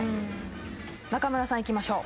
中村さんいきましょう。